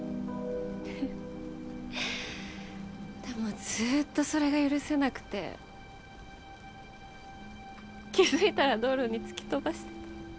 でもずっとそれが許せなくて気付いたら道路に突き飛ばしてた。